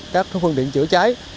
các phương tiện chữa cháy